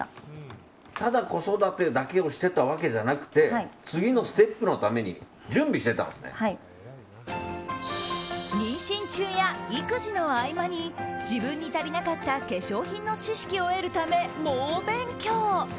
ただ子育てだけをしてたわけじゃなくて次のステップのために妊娠中や育児の合間に自分に足りなかった化粧品の知識を得るため猛勉強。